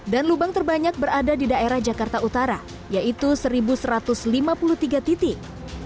dan lubang terbanyak berada di daerah jakarta utara yaitu satu satu ratus lima puluh tiga titik